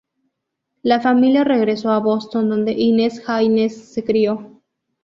La familia regresó a Boston donde Inez Haynes se crió.